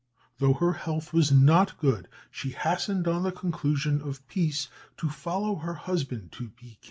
Though her health was not good, she hastened, on the conclusion of peace, to follow her husband to Pekin.